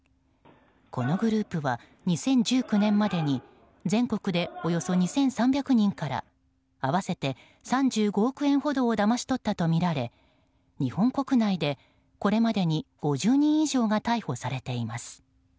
このグループは２０１９年までに全国でおよそ２３００人から合わせて３５億円ほどをだまし取ったとみられ日本国内で、これまでに５０人以上が逮捕されています。